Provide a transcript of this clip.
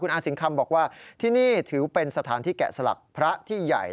อาสิงคำบอกว่าที่นี่ถือเป็นสถานที่แกะสลักพระที่ใหญ่